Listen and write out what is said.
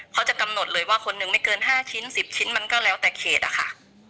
เขาจะกำหนดเลยว่าคนหนึ่งไม่เกิน๕ชิ้น๑๐ชิ้นมันก็แล้วแต่เขตอะค่ะ